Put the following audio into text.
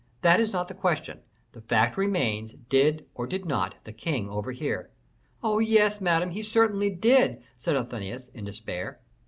That is not the question; the fact remains, did or did not the king overhear?" "Oh, yes, Madame, he certainly did," said Athenais, in despair.